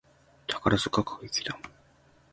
宝塚歌劇団